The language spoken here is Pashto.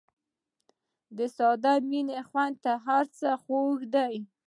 د ساده مینې خوند تر هر څه خوږ دی.